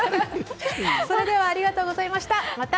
それではありがとうございました。